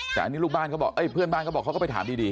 แต่อันนี้เพื่อนบ้านเขาบอกเขาก็ไปถามดี